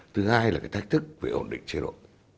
thứ hai là cái thách thức về ổn định chế độ